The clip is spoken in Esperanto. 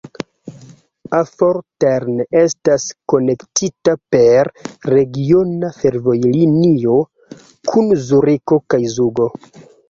Affoltern estas konektita per regiona fervojlinio kun Zuriko kaj Zugo.